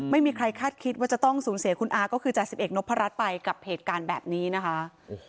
ไม่มีใครคาดคิดว่าจะต้องสูญเสียคุณอาก็คือจ่าสิบเอกนพรัชไปกับเหตุการณ์แบบนี้นะคะ